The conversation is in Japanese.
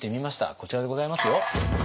こちらでございますよ。